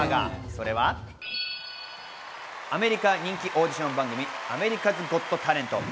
それは、アメリカ人気オーディション番組『アメリカズ・ゴット・タレント』。